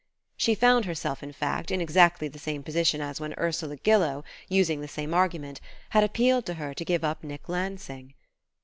She found herself, in fact, in exactly the same position as when Ursula Gillow, using the same argument, had appealed to her to give up Nick Lansing.